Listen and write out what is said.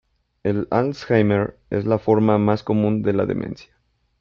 El alzheimer es la forma más común de la demencia.